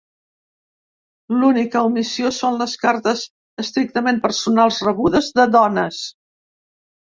L'única omissió són les cartes estrictament personals rebudes de dones.